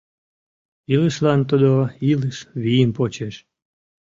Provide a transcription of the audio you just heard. Илышлан тудо илыш вийым почеш.